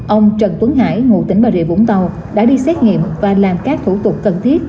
ông trần tuấn hải ngụ tỉnh bà rịa vũng tàu đã đi xét nghiệm và làm các thủ tục cần thiết